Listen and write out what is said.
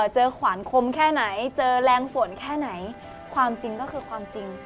ขวานคมแค่ไหนเจอแรงฝนแค่ไหนความจริงก็คือความจริง